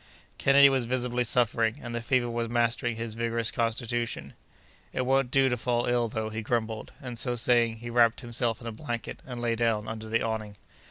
Kennedy was visibly suffering, and the fever was mastering his vigorous constitution. "It won't do to fall ill, though," he grumbled; and so saying, he wrapped himself in a blanket, and lay down under the awning.